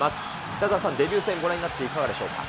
北澤さん、デビュー戦、ご覧になっていかがでしょうか。